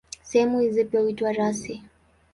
Sehemu hizi pia huitwa rasi.